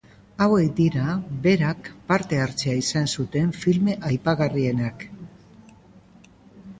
Hauek dira berak parte hartzea izan zuten film aipagarrienak.